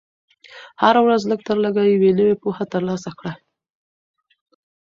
هره ورځ لږ تر لږه یوه نوې پوهه ترلاسه کړه.